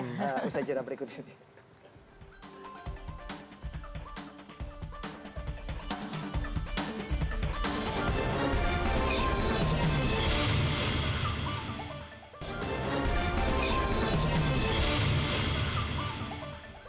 nah usai jalan berikut ini